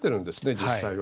実際は。